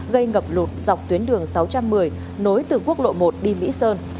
gây ngập lụt dọc tuyến đường sáu trăm một mươi nối từ quốc lộ một đi mỹ sơn